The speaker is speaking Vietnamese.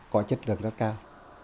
có chất lượng rất cao